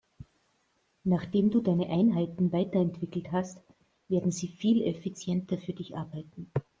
Nachdem du deine Einheiten weiterentwickelt hast, werden sie viel effizienter für dich arbeiten.